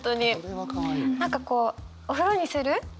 何かこう「お風呂にする？